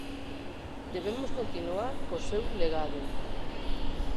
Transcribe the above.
Debemos continuar co seu legado.